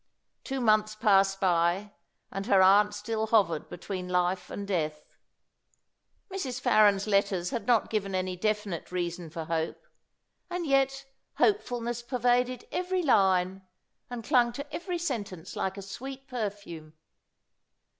Two months passed by, and her aunt still hovered between life and death. Mrs. Farren's letters had not given any definite reason for hope; and yet hopefulness pervaded every line, and clung to every sentence like a sweet perfume.